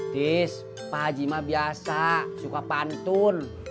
tis pak haji mah biasa suka pantun